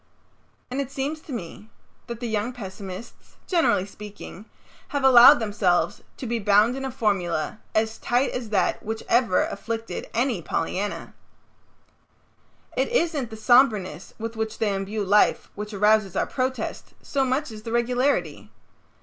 And it seems to me that the young pessimists, generally speaking, have allowed themselves to be bound in a formula as tight as that which ever afflicted any Pollyanna. It isn't the somberness with which they imbue life which arouses our protest, so much as the regularity.